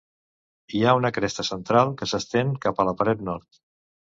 Hi ha una cresta central que s'estén cap a la paret nord.